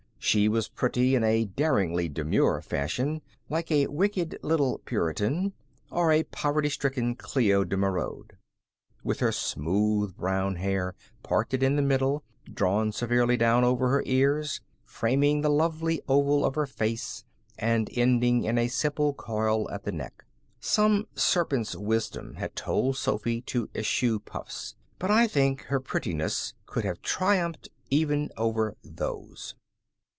She was pretty in a daringly demure fashion, like a wicked little Puritan, or a poverty stricken Cleo de Merode, with her smooth brown hair parted in the middle, drawn severely down over her ears, framing the lovely oval of her face and ending in a simple coil at the neck. Some serpent's wisdom had told Sophy to eschew puffs. But I think her prettiness could have triumphed even over those.